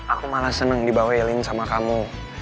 aku malah seneng dibawelin sama kamu